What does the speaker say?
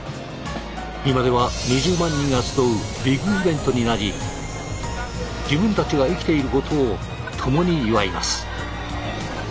今では２０万人が集うビッグイベントになり自分たちが生きていることを共に祝います。